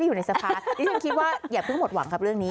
อยู่ในสภาดิฉันคิดว่าอย่าเพิ่งหมดหวังครับเรื่องนี้